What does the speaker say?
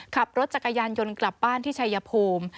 ขับรถจักรยานยนต์กลับบ้านที่ชายภูมิ